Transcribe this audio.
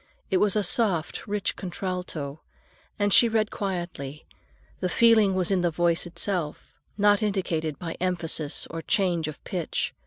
It was a soft, rich contralto, and she read quietly; the feeling was in the voice itself, not indicated by emphasis or change of pitch.